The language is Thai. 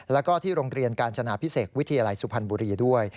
แล้วก็ที่โรงเรียนกาญจนาพิเศษวิทยาลัยสุพรรณบุรีด้วย